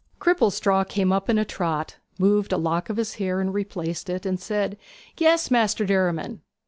Cripplestraw came up in a trot, moved a lock of his hair and replaced it, and said, 'Yes, Maister Derriman.'